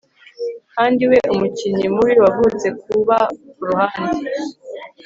kandi we, umukinnyi mubi, wavutse kuba kuruhande